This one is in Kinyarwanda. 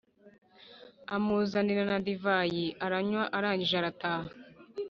amuzanira na divayi aranywa arangije arataha